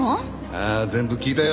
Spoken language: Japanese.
ああ全部聞いたよ